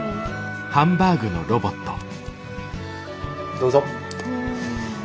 どうぞ。